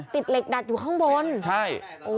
ติดเหล็กดัดอยู่ข้างบนใช่